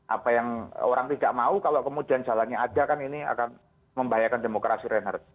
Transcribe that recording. apa yang orang tidak mau kalau kemudian jalannya ada kan ini akan membahayakan demokrasi reinhardt